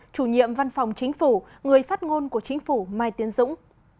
chủ nhiệm văn phòng chính phủ người phát ngôn của chính phủ mai tiến dũng